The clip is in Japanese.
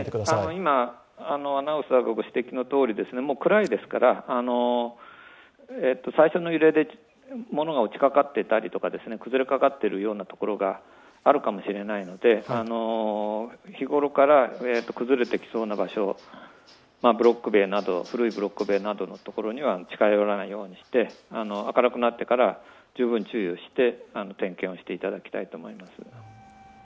今、アナウンサーがご指摘のとおり、暗いですから、最初の揺れで物が越落ちかかっていたり崩れかかっているようなところがあるかもしれないので、日頃から崩れてきそうな場所、古いブロック塀などのところには近寄らないようにして、明るくなってから十分注意をして点検をしていただきたいと思います。